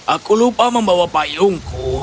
aku lupa membawa payungku